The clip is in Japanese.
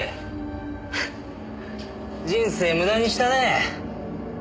ハッ人生無駄にしたねえ。